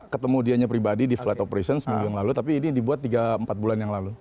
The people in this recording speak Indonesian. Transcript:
ketemu dianya pribadi di flight operation seminggu yang lalu tapi ini dibuat tiga empat bulan yang lalu